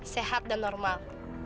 sehat dan normal